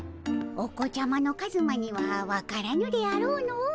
お子ちゃまのカズマには分からぬであろうの。